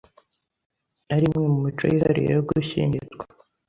ari imwe mu mico yihariye yo gushyingirwa